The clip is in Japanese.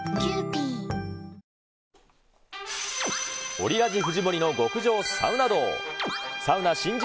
オリラジ・藤森の極上サウナ道。